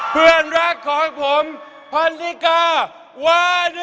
เพื่อนรักของผมพันธิกาวา